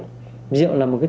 còn riêng với rượu